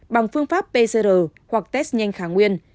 bằng phương pháp pcr hoặc test nhanh kháng nguyên